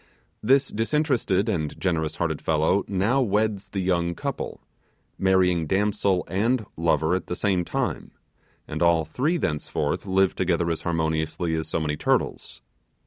This disinterested and generous hearted fellow now weds the young couple marrying damsel and lover at the same time and all three thenceforth live together as harmoniously as so many turtles.